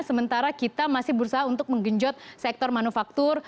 sementara kita masih berusaha untuk menggenjot sektor manufaktur